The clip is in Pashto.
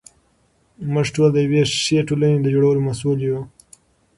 موږ ټول د یوې ښې ټولنې د جوړولو مسوول یو.